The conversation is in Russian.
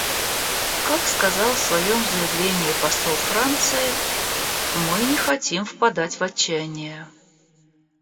Как сказал в своем заявлении посол Франции, мы не хотим впадать в отчаяние.